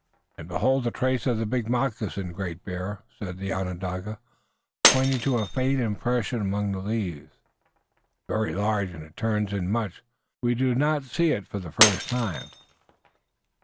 "And behold the trace of the big moccasin, Great Bear," said the Onondaga, pointing to a faint impression among the leaves. "It is very large, and it turns in much. We do not see it for the first time."